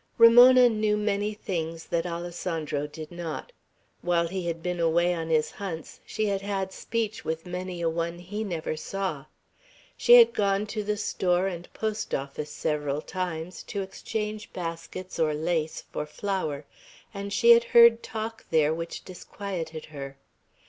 Ramona knew many things that Alessandro did not. While he had been away on his hunts, she had had speech with many a one he never saw. She had gone to the store and post office several times, to exchange baskets or lace for flour, and she had heard talk there which disquieted her.